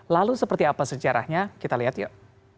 lalu seperti apa sejarahnya kita lihat yuk